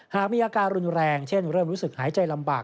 หากมีอาการรุนแรงเช่นเริ่มรู้สึกหายใจลำบาก